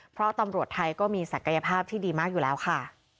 เพราะตำรวจไทยก็มีศักยภาพที่ดีมากอยู่แล้วค่ะ